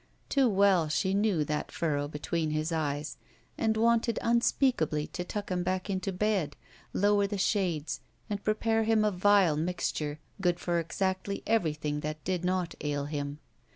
Too well she knew that furrow between his eyes and wanted unspeakably to tuck him back into bed, lower the shades, and prepare him a vile mixture good for exactly everything that did not ail him.